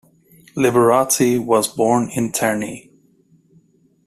Liberati was born in Terni.